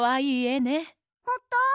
ほんと？